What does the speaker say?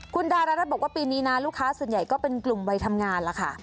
คุณดารัฐบอกว่าปีนี้นะลูกค้าส่วนใหญ่ก็เป็นกลุ่มวัยทำงานแล้วค่ะ